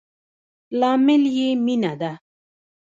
لامل يي مينه ده